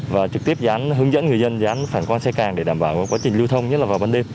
và trực tiếp gián hướng dẫn người dân dán phản quan xe càng để đảm bảo quá trình lưu thông nhất là vào ban đêm